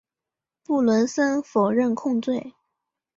布伦森否认控罪。